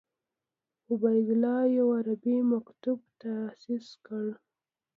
عبیدالله یو عربي مکتب تاسیس کړ.